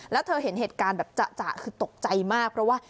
แล้วเธอเห็นเหตุการณ์แบบจะคือตกใจมากเพราะว่า